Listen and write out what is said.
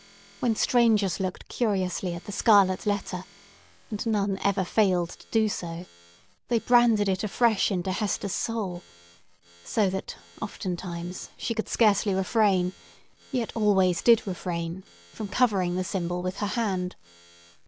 When strangers looked curiously at the scarlet letter—and none ever failed to do so—they branded it afresh in Hester's soul; so that, oftentimes, she could scarcely refrain, yet always did refrain, from covering the symbol with her hand.